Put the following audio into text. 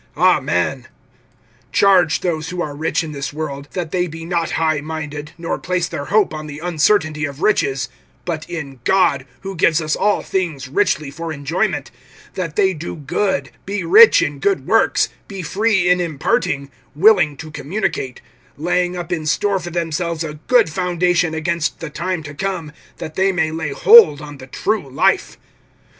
Amen. (17)Charge those who are rich in this world, that they be not high minded, nor place their hope on the uncertainty of riches, but in God, who gives us all things richly for enjoyment; (18)that they do good, be rich in good works, be free in imparting, willing to communicate; (19)laying up in store for themselves a good foundation against the time to come, that they may lay hold on the true life.